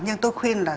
nhưng tôi khuyên là